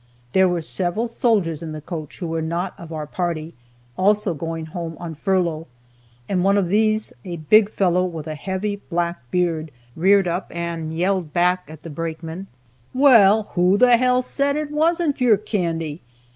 There were several soldiers in the coach who were not of our party, also going home on furlough, and one of these, a big fellow with a heavy black beard, reared up and yelled back at the brakeman, "Well, who the hell said it wasn't your candy?"